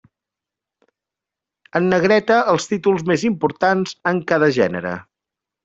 En negreta, els títols més importants en cada gènere.